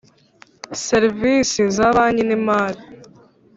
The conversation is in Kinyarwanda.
serivisi za banki n imari